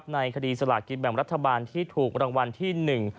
ในคดีสลากิจแบบรัฐบาลที่ถูกรางวัลที่๑